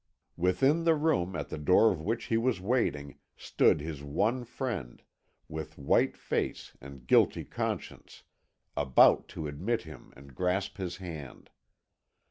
Within the room at the door of which he was waiting, stood his one friend, with white face and guilty conscience, about to admit him and grasp his hand.